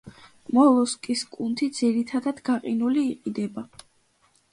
მოლუსკის კუნთი, ძირითადად გაყინული იყიდება.